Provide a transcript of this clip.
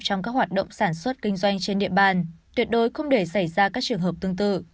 trong các hoạt động sản xuất kinh doanh trên địa bàn tuyệt đối không để xảy ra các trường hợp tương tự